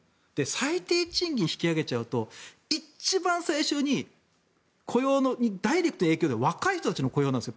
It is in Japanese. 最低賃金を引き上げちゃうと一番最初に雇用にダイレクトに影響が出るのは若い人たちの雇用なんです。